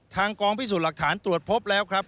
ทางกองพิสูจน์หลักฐานตรวจพบแล้วครับ